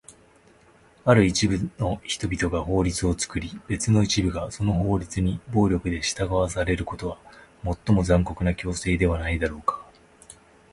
ある一部の人々が法律を作り、別の一部がその法律に暴力で従わされることは、最も残酷な強制ではないだろうか？